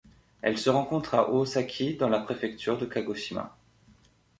Elle se rencontre à Ōsaki dans la préfecture de Kagoshima.